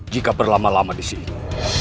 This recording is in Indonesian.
jika berlama lama di sini